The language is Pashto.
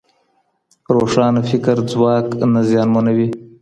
روښانه فکر ځواک نه زیانمنوي.